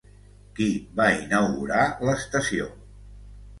Qui va inaugurar l'estació?